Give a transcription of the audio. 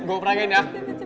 gue peranggain ya